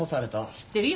知ってるよ。